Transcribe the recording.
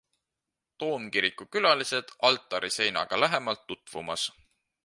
Toomkiriku külalised altariseinaga lähemalt tutvumas.